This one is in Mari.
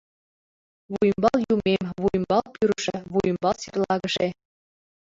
Вуйӱмбал Юмем, Вуйӱмбал Пӱрышӧ, Вуйӱмбал Серлагыше!